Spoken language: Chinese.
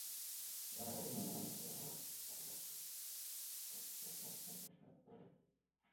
此举被视为斯普鲁恩斯的第二个个重要决策。